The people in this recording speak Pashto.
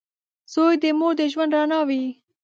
• زوی د مور د ژوند رڼا وي.